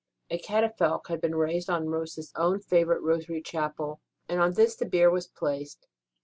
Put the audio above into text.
A catafalque had been raised in Rose s own favourite Rosary Chapel, and on this the bier was placed.